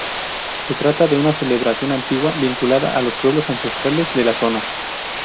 Se trata de una celebración antigua, vinculada a los pueblos ancestrales de la zona.